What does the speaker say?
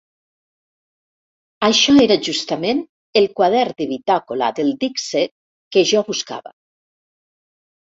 Això era justament el quadern de bitàcola del dic sec que jo buscava.